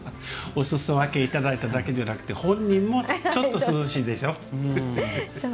おすそ分けいただいただけじゃなくて本人もちょっと涼しいでしょう。